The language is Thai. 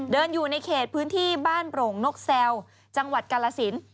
อยู่ในเขตพื้นที่บ้านโปร่งนกแซวจังหวัดกาลสิน